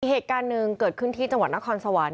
เหตุการณ์หนึ่งเกิดขึ้นที่จังหวัดนครสวรรค์